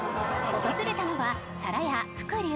訪れたのは皿屋福柳